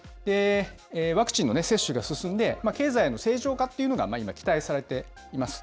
ワクチンの接種が進んで、経済の成長かというのが、今期待されています。